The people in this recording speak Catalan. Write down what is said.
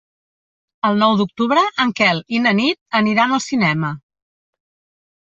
El nou d'octubre en Quel i na Nit aniran al cinema.